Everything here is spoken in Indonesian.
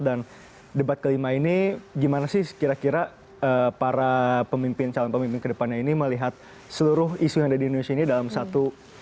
dan debat kelima ini gimana sih kira kira para calon pemimpin ke depannya ini melihat seluruh isu yang ada di indonesia ini dalam satu